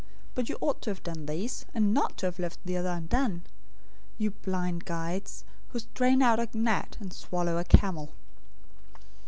But you ought to have done these, and not to have left the other undone. 023:024 You blind guides, who strain out a gnat, and swallow a camel!